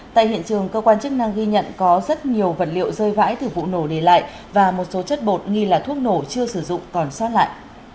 tại hiện trường cơ quan chức năng ghi nhận có rất nhiều vật liệu rơi vãi từ vụ nổ để lại và một số chất bột nghi là thuốc nổ chưa sử dụng còn xót lại